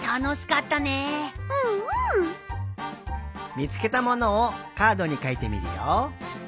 みつけたものをカードにかいてみるよ。